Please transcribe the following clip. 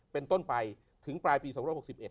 เป็นต้นไปถึงปลายปี๒๖๑